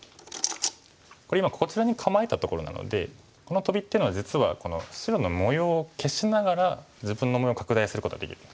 これ今こちらに構えたところなのでこのトビっていうのは実はこの白の模様を消しながら自分の模様を拡大することができる。